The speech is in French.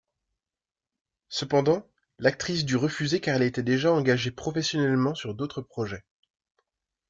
Cependant, l’actrice due refuser car elle était déjà engagée professionnellement sur d’autres projets.